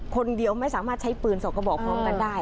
คนเดียวไม่สามารถใช้ปืน๒กระบอกพร้อมกันได้